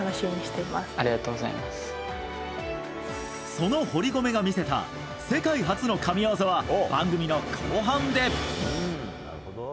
その堀米が見せた世界初の神技は、番組の後半で！